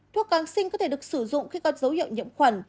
thuốc kháng sinh có thể được sử dụng khi có dấu hiệu nhiễm khuẩn